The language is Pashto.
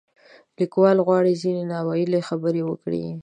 لیکوال غواړي ځینې نا ویلې خبرې وکړي.